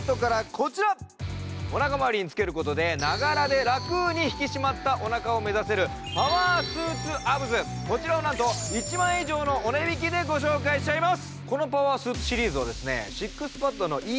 おなか回りに着けることでながらで引き締まったボディーを目指せるパワースーツアブズ、こちらをなんと１万円以上のお値引きでご紹介しちゃいます。